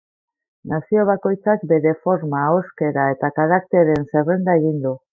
Nazio bakoitzak bere forma, ahoskera eta karaktereen zerrenda egin du.